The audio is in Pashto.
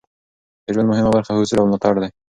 د ژوند مهمه برخه حضور او ملاتړ دی.